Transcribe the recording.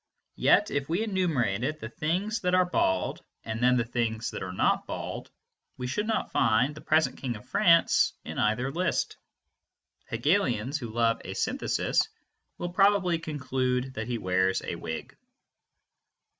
Yet if we enumerated the things that are bald, and then the things that are not bald, we should not find the present King of France in either list. Hegelians, who love a synthesis, will probably conclude that he wears a wig.